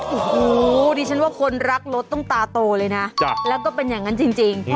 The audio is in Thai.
โอ้โหดิฉันว่าคนรักรถต้องตาโตเลยนะแล้วก็เป็นอย่างนั้นจริง